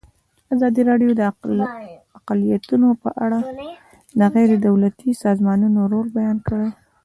ازادي راډیو د اقلیتونه په اړه د غیر دولتي سازمانونو رول بیان کړی.